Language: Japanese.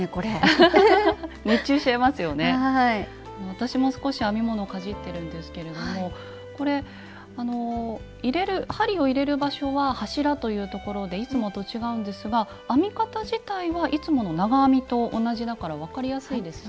私も少し編み物をかじってるんですけれどもこれ針を入れる場所は柱というところでいつもと違うんですが編み方自体はいつもの長編みと同じだから分かりやすいですね。